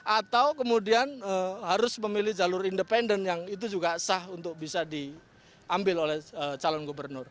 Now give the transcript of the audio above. atau kemudian harus memilih jalur independen yang itu juga sah untuk bisa diambil oleh calon gubernur